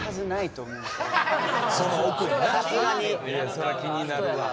そりゃ気になるわ。